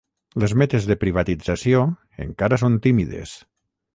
Les metes de privatització encara són tímides.